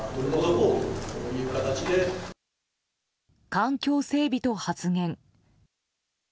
環境整備と発言。